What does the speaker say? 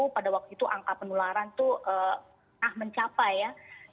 pada waktu itu angka penularan itu mencapai ya